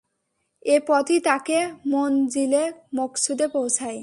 এ পথই তাকে মনযিলে মকসুদে পৌঁছায়।